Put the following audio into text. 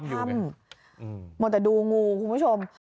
มันอยู่ในถ้ำแต่ดูงูคุณผู้ชม